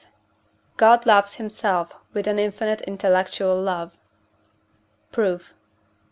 God loves himself with an infinite intellectual love. Proof.